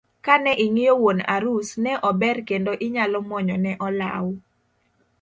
Kane ing'iyo wuon arus ne ober kendo inyalo muonyo ne olaw.